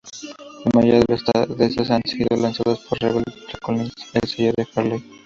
La mayoría de estas han sido lanzadas por Revealed Recordings, el sello de Hardwell.